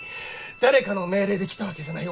誰かの命令で来たわけじゃない。